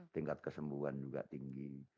tingkat kesembuhan juga tinggi